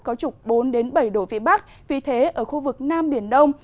có trục bốn bảy độ phía bắc vì thế ở khu vực nam biển đông